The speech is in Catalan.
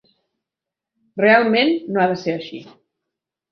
Realment no ha de ser així.